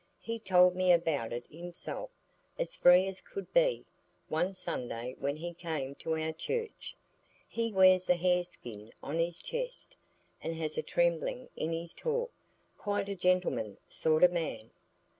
He told me about it himself—as free as could be—one Sunday when he came to our church. He wears a hareskin on his chest, and has a trembling in his talk,—quite a gentleman sort o' man.